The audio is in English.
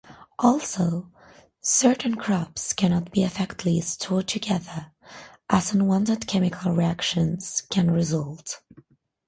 Also, certain crops cannot be effectively stored together, as unwanted chemical interactions can result.